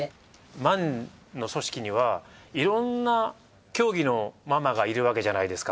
ＭＡＮの組織にはいろんな競技のママがいるわけじゃないですか。